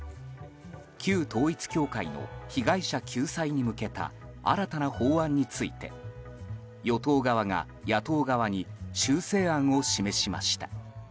旧統一教会の被害者救済に向けた新たな法案について与党側が野党側に修正案を示しました。